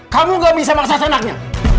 kamu gak bisa maksat anaknya